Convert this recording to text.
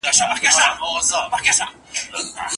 املا مرسته کوي.